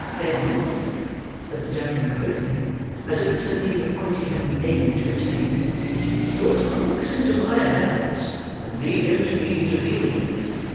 "Then," said the gentleman, quickly, as if this had been the point he had been aiming to attain; "put Monks into my hands, and leave him to me to deal with."